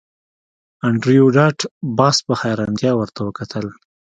انډریو ډاټ باس په حیرانتیا ورته وکتل